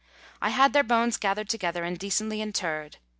I had their bones gathered together and decently interred.